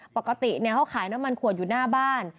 ปกติเขาขายน้ำมันขวดอยู่หน้าบ้าน